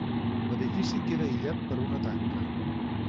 L'edifici queda aïllat per una tanca.